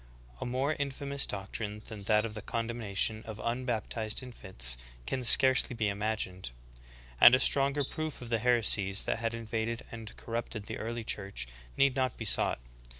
^ A more infamous doctrine than that of the condemnation of un baptized infants can scarcely be imagined, and a stronger proof of the heresies that had invaded and corrupted the early Church need not be sought.